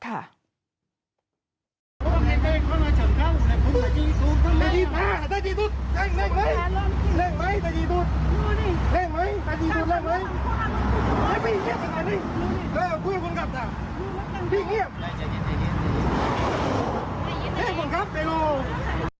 อ้าวคุณคนขับจ๋าพี่เงียบ